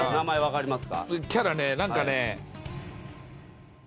キャラねなんかね。